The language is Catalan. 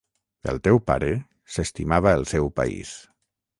El teu pare s’estimava el seu país.